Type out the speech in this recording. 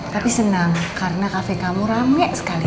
tapi senang karena kafe kamu rame sekali